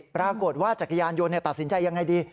จักรยานยนต์ตัดสินใจยังไงดี